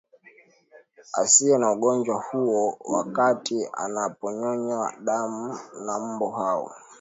asiye na ugonjwa huo wakati anaponyonywa damu na mbu hao